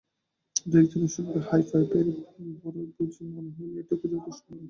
দু-একজনের সঙ্গে হাই ফাইভের পরই বুঝি মনে হলো, এটুকু যথেষ্ট নয়।